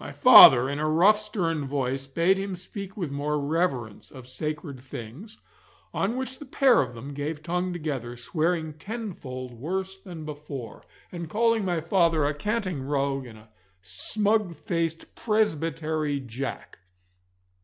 My father in a rough stern voice bade him speak with more reverence of sacred things, on which the pair of them gave tongue together, swearing tenfold worse than before, and calling my father a canting rogue and a smug faced Presbytery Jack.